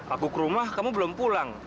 aku ke rumah kamu belum pulang